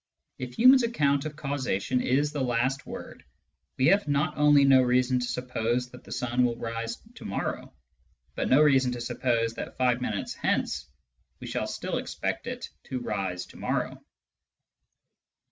If Hume's account of causation is the last word, we have not only no reason to suppose that the sun will rise to morrow, but no reason to suppose that five minutes hence we shall still expect it to rise to morrow.